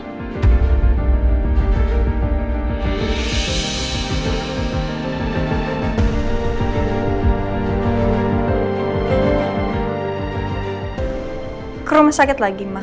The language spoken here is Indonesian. waktunya dia ayah